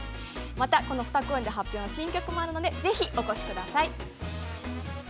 また、この２公演で発表の新曲もあるのでぜひ、お越しください！